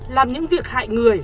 làm những việc hại người